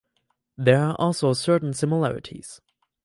There are also certain similarities.